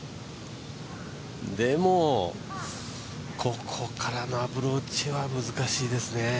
でも、ここからのアプローチは難しいですね。